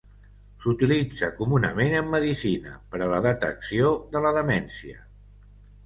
S'utilitza comunament en medicina per a la detecció de la demència.